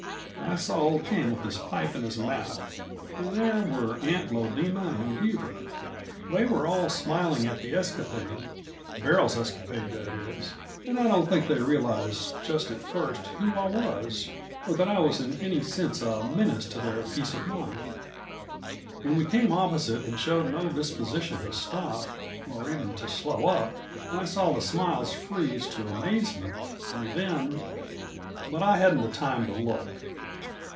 I saw old King with his pipe in his mouth; and there were Aunt Lodema and Weaver. They were all smiling at the escapade Beryl's escapade, that is and I don't think they realized just at first who I was, or that I was in any sense a menace to their peace of mind. When we came opposite and showed no disposition to stop, or even to slow up, I saw the smiles freeze to amazement, and then but I hadn't the time to look.